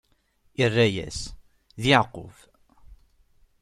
Irra-yas: D Yeɛqub.